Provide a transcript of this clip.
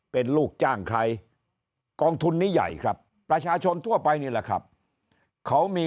เป็นลูกจ้างใครกองทุนนี้ใหญ่ครับประชาชนทั่วไปนี่แหละครับเขามี